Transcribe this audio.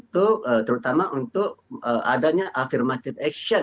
terutama untuk ada pemerintahan yang bisa mencari pemerintahan